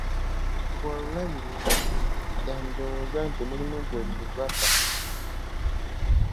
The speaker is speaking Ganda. Omuntu bw'alulabira ewala, yandirowooza nti mulimu gwe gwaka..